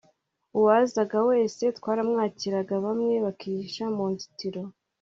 uwazaga wese twaramwakiraga, bamwe bakihisha mu nzitiro